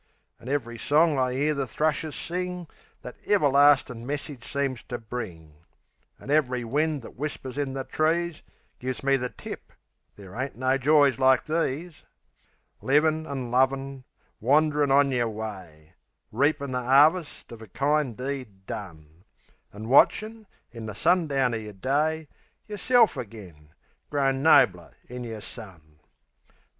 An' ev'ry song I 'ear the thrushes sing That everlastin' message seems to bring; An' ev'ry wind that whispers in the trees Gives me the tip there ain't no joys like these: Livin' an' lovin'; wand'rin' on yer way; Reapin' the 'arvest of a kind deed done; An' watchin', in the sundown of yer day, Yerself again, grown nobler in yer son.